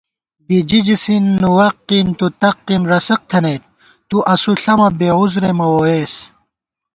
بِجِجۡسީ، نُوَقީ، تُتَقީ، رَسَقۡ تھنَئیت، تُو اسُو ݪَمہ بےعذرے مہ ووئیس